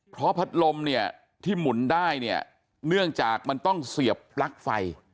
เพราะพัดลมเนี่ยที่หมุนได้เนี่ยเนื่องจากมันต้องเสียบปลั๊กไฟ